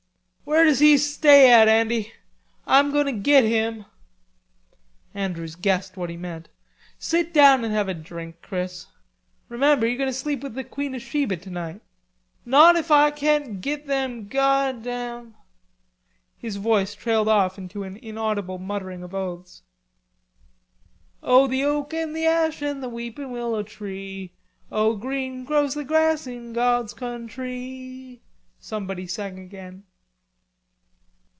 "Where does he stay at, Andy? I'm going to git him." Andrews guessed what he meant. "Sit down and have a drink, Chris," he said, "Remember you're going to sleep with the Queen of Sheba tonight." "Not if I can't git them goddam...." his voice trailed off into an inaudible muttering of oaths. "O the oak and the ash and the weeping willow tree, O green grows the grass in God's countree!" somebody sang again.